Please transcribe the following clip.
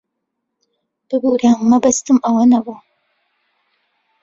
ببوورە، مەبەستم ئەوە نەبوو.